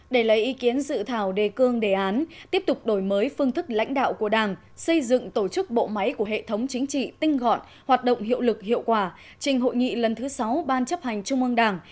để lấy ý kiến dự thảo đề cương đề án tiếp tục đổi mới phương thức lãnh đạo của đảng xây dựng tổ chức bộ máy của hệ thống chính trị tinh gọn hoạt động hiệu lực hiệu quả trình hội nghị lần thứ sáu ban chấp hành trung ương đảng